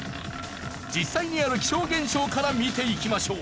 実際にある気象現象から見ていきましょう。